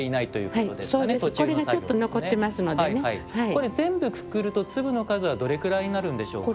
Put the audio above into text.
これ全部くくると粒の数はどれくらいになるんでしょうか。